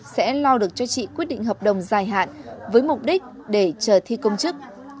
sẽ lo được cho chị quyết định hợp đồng dài hạn với mục đích để chờ thi công chức